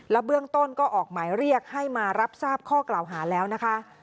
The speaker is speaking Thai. เบื้องต้นก็ออกหมายเรียกให้มารับทราบข้อกล่าวหาแล้วนะคะ